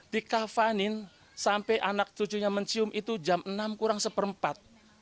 di kafanin sampai anak cucunya mencium itu jam enam kurang seperempat